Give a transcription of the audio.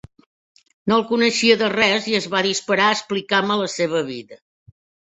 No el coneixia de res i es va disparar a explicar-me la seva vida.